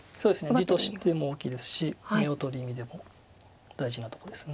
地としても大きいですし眼を取る意味でも大事なとこです。